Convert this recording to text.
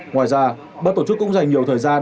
ngoài ra bác tổ chức cũng dành nhiều thời gian